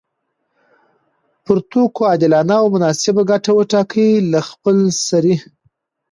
پر توکو عادلانه او مناسب ګټه وټاکي له خپلسري